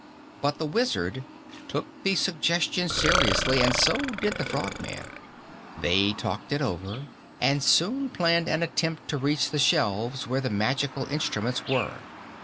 But the Wizard took the suggestion seriously, and so did the Frogman. They talked it over and soon planned an attempt to reach the shelves where the magical instruments were.